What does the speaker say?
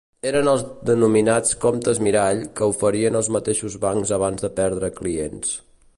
Eren els denominats “comptes mirall” que oferien els mateixos bancs abans de perdre clients.